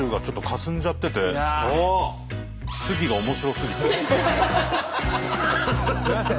すいません。